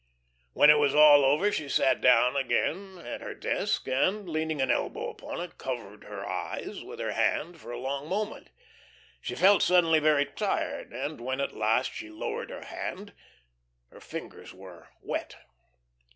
When it was all over she sat down again at her desk, and leaning an elbow upon it, covered her eyes with her hand for a long moment. She felt suddenly very tired, and when at last she lowered her hand, her fingers were wet.